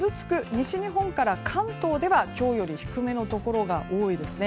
西日本から関東では今日より低めのところが多いですね。